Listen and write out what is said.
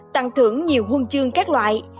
tặng thưởng nhiều huân chương các loại